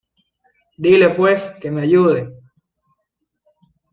Dile pues, que me ayude.